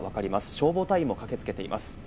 消防隊も駆けつけています。